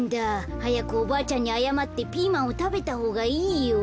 はやくおばあちゃんにあやまってピーマンをたべたほうがいいよ。